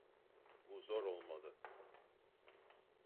Bu zor olmalı.